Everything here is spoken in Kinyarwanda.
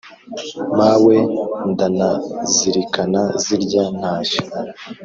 mawe, ndanazirikana zirya ntashyo